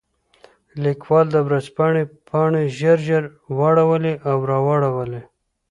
لیکوال د ورځپاڼې پاڼې ژر ژر واړولې او راواړولې.